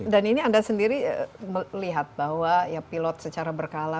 dan ini anda sendiri melihat bahwa ya pilot secara berkala